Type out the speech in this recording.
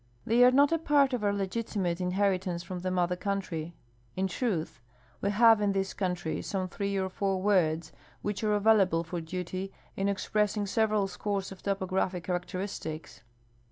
They are not a part of our legiti mate inheritance from the mother country. In truth, we have in this country some three or four words which are available for duty in express ing several scores of topographic characteristics.